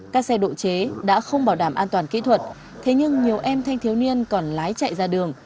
các xe độ chế đã không bảo đảm an toàn kỹ thuật thế nhưng nhiều em thanh thiếu niên còn lái chạy ra đường